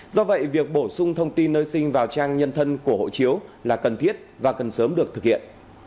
do vậy việc bổ sung thông tin nơi sinh vào trang nhân thân của hộ chiếu là cần thiết và cần sớm được thực hiện